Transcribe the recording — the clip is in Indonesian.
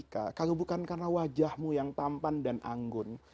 kalau bukan karena wajahmu yang tampan dan anggun